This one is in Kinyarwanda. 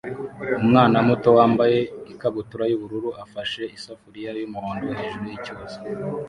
Umwana muto wambaye ikabutura yubururu afashe isafuriya yumuhondo hejuru yicyuzi